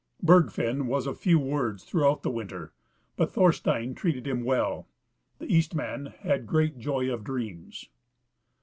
Bergfinn was of few words throughout the winter, but Thorstein treated him well The Eastman had great joy of dreams.